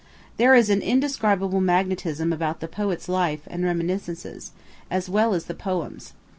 There is an indescribable magnetism about the poet's life and reminiscences, as well as the poems.